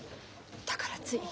だからつい。